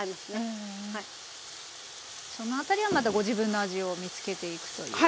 その辺りはまたご自分の味を見つけていくという。